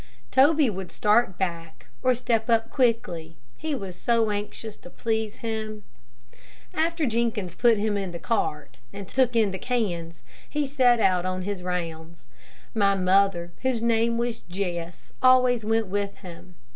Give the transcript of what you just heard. Toby would start back, or step up quickly, he was so anxious to please him. After Jenkins put him in the cart, and took in the cans, he set out on his rounds. My mother, whose name was Jess, always went with him.